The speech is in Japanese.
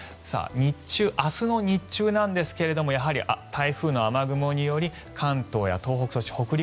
明日の日中なんですけどやはり台風の雨雲により関東や東北そして北陸